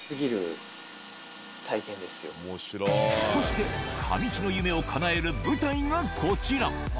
へー、そして、神木の夢をかなえる舞台がこちら。